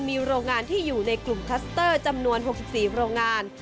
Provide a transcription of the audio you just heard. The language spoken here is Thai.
มีโรงงานที่อยู่ในกลุ่มคัสเตอร์จำนวน๖๔โรงงาน